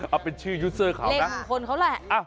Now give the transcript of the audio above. เอาเป็นชื่อยูเซอร์เขานะ